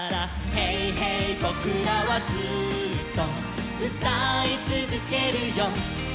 「ＨＥＹ！ＨＥＹ！ぼくらはずっとうたいつづけるよ」